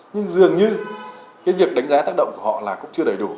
nhưng dường như cái việc đánh giá tác động của họ là cũng chưa đầy đủ